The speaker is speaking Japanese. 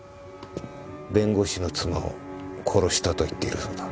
弁護士の妻を殺したと言っているそうだ。